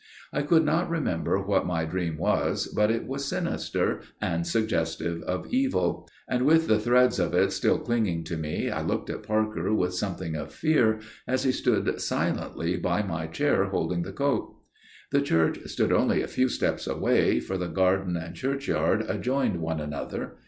I could not remember what my dream was, but it was sinister and suggestive of evil, and, with the shreds of it still clinging to me, I looked at Parker with something of fear as he stood silently by my chair holding the coat. "The church stood only a few steps away, for the garden and churchyard adjoined one another.